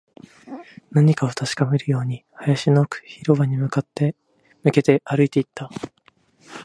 何かを確かめるように、林の奥、広場に向けて歩いていった